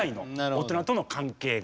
大人との関係が。